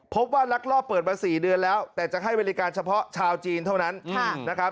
ลักลอบเปิดมา๔เดือนแล้วแต่จะให้บริการเฉพาะชาวจีนเท่านั้นนะครับ